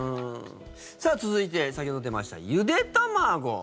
さあ続いて先ほど出ました、ゆで卵。